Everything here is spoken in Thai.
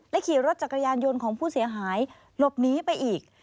ขี่รถจักรยานยนต์ของผู้เสียหายหลบหนีไปอีก